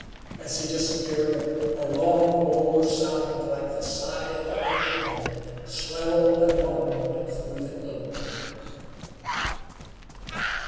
As he disappeared, a long, low sound like the sigh of the night wind swelled and moaned through the gloom.